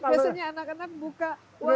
biasanya anak anak buka